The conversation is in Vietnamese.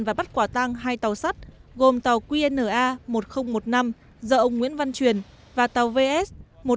và bắt quả tang hai tàu sắt gồm tàu qna một nghìn một mươi năm do ông nguyễn văn truyền và tàu vs một trăm bốn mươi ba mươi chín nghìn bảy mươi tám